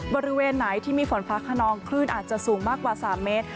บริเวณไหนที่มีฝนฟ้าขนองคลื่นอาจจะสูงมากกว่า๓เมตร